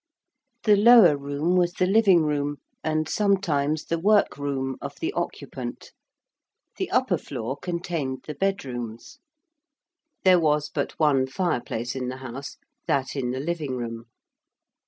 The lower room was the living room, and sometimes the work room of the occupant. The upper floor contained the bed rooms. There was but one fireplace in the house that in the living room.